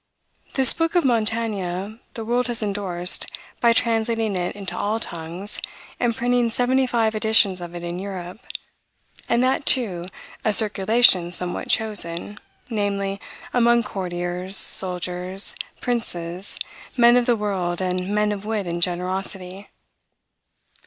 This book of Montaigne the world has endorsed, by translating it into all tongues, and printing seventy five editions of it in Europe; and that, too, a circulation somewhat chosen, namely, among courtiers, soldiers, princes, men of the world, and men of wit and generosity.